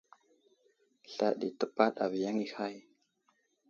Sla ɗi təpaɗ aviyaŋ i hay.